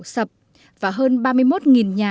sập và hơn ba mươi một nhà